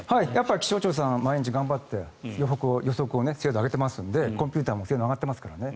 気象庁さん、毎日頑張って予測を精度を上げていますのでコンピューターの性能も上がってますのでね。